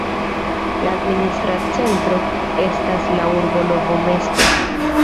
La administra centro estas la urbo Novo mesto.